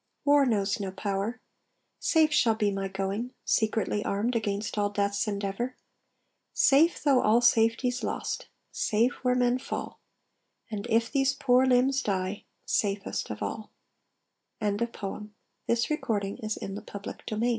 War knows no power. Safe shall be my going, Secretly armed against all death's endeavour; Safe though all safety's lost; safe where men fall; And if these poor limbs die, safest of all. III. THE DEAD Blow out, you bugles, over the rich Dead!